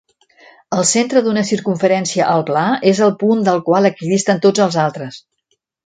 El centre d'una circumferència al pla és el punt del qual equidisten tots els altres.